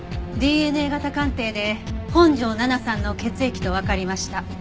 ＤＮＡ型鑑定で本条奈々さんの血液とわかりました。